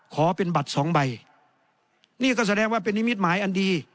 ขอเป็นบัตรสองใบนี่ก็แสดงว่าเป็นนิมิตหมายอันดี